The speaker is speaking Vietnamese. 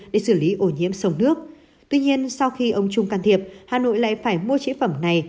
để xử lý ổ nhiễm sông nước tuy nhiên sau khi ông trung can thiệp hà nội lại phải mua chế phẩm này